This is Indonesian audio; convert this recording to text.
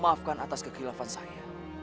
maafkan atas kekilafan saya